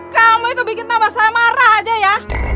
kamu itu bikin tambah saya marah aja ya